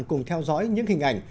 cùng theo dõi những hình ảnh